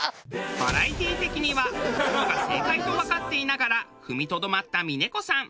バラエティー的には押すのが正解とわかっていながら踏みとどまった峰子さん。